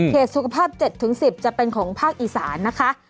สุขภาพ๗๑๐จะเป็นของภาคอีสานนะคะ